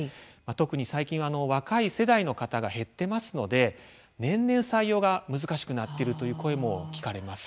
特に最近若い世代の方が減ってますので年々採用が難しくなってるという声も聞かれます。